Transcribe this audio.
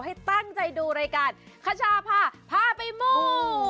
ให้ตั้งใจดูรายการคชาพาพาไปมู